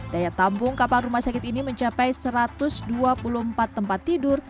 daya tampung kapal rumah sakit ini mencapai satu ratus dua puluh empat tempat tidur